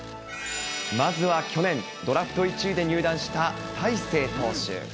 まずは去年、ドラフト１位で入団した大勢投手。